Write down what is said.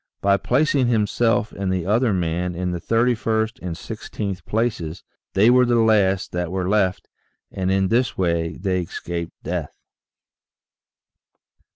By placing himself and the other man in the 3ist and i6th places, they were the last that were left, and in this way they escaped death.